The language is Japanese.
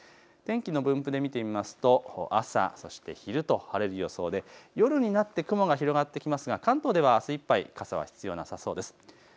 天気の分布で見ると朝、そして昼と晴れる予想で夜になって雲が広がってくるので関東はあすいっぱい、傘は必要なさそうです。